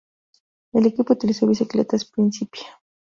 El equipo utilizó bicicletas Principia.